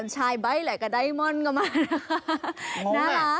ชายใบ้แหละกับไดมอนด์ก็มา